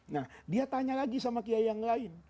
nah dia tanya lagi sama kiai yang lain